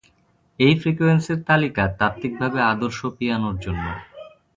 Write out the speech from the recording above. এই ফ্রিকোয়েন্সির তালিকা তাত্ত্বিকভাবে আদর্শ পিয়ানোর জন্য।